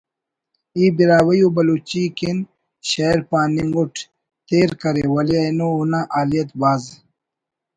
ءِ براہوئی و بلوچی کن شئیر پاننگ اٹ تیر کرے ولے اینو اونا حالیت بھاز